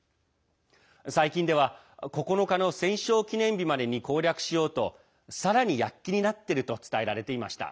最近では、９日の戦勝記念日までに攻略しようとさらに躍起になっていると伝えられていました。